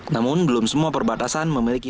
namun belum semua perbatasan memiliki